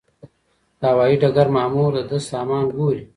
د هوايي ډګر مامور د ده سامان ګوري.